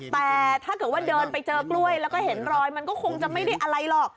แต่ถ้าเกิดว่าเดินไปเจอกล้วยแล้วก็เห็นรอยมันก็คงจะไม่ได้อะไรหรอก